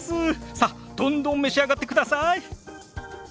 さっどんどん召し上がってください！